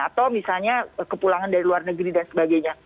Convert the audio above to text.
atau misalnya kepulangan dari luar negeri dan sebagainya